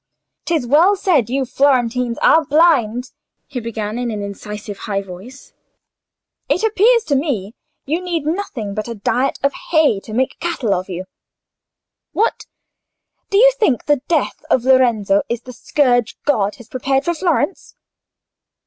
"'Tis well said you Florentines are blind," he began, in an incisive high voice. "It appears to me, you need nothing but a diet of hay to make cattle of you. What! do you think the death of Lorenzo is the scourge God has prepared for Florence?